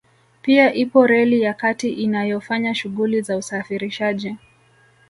Pia ipo reli ya kati inayofanya shughuli za usafirishaji